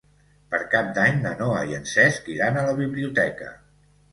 Per Cap d'Any na Noa i en Cesc iran a la biblioteca.